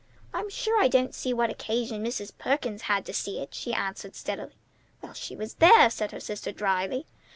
"I'm sure I don't see what occasion Mrs. Perkins had to see it," she answered steadily. "Well, she was there!" said her sister dryly.